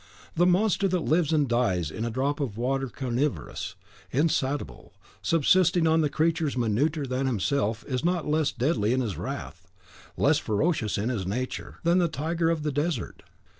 The monster that lives and dies in a drop of water carnivorous, insatiable, subsisting on the creatures minuter than himself is not less deadly in his wrath, less ferocious in his nature, than the tiger of the desert.